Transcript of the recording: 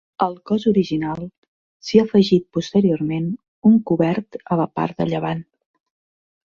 Al cos original s'hi ha afegit posteriorment un cobert a la part de llevant.